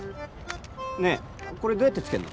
ねえこれどうやってつけんの？